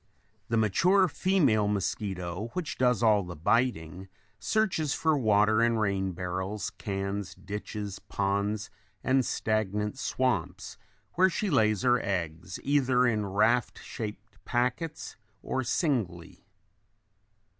The mature female mosquito, which does all the biting, searches for water in rain barrels, cans, ditches, ponds, and stagnant swamps where she lays her eggs either in raft shaped packets or singly.